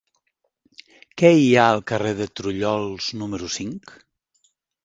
Què hi ha al carrer de Trullols número cinc?